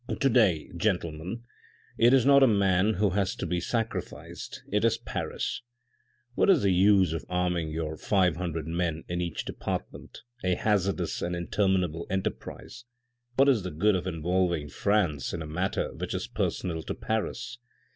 " To day, gentlemen, it is not a man who has to be sacrificed, it is Paris. What is the use of arming your five hundred men in each department, a hazardous and inter minable enterprise? What is the good of involving France in a matter which is personal to Paris?